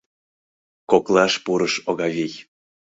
— Коклаш пурыш Огавий.